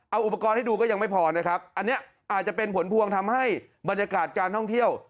เอาอุปกรณ์ให้ดูก็ยังไม่พอนะครับอันนี้อาจจะเป็นผลพวงทำให้บรรยากาศการท่องเที่ยว